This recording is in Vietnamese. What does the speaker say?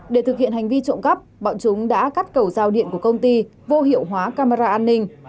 để thực hiện hành vi trộm cắp bọn chúng đã cắt cầu giao điện của công ty vô hiệu hóa camera an ninh